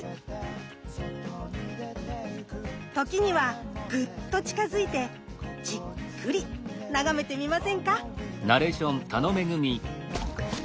時にはグッと近づいてじっくり眺めてみませんか。